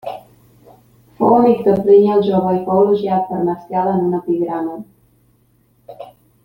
Fou amic de Plini el Jove i fou elogiat per Marcial en un epigrama.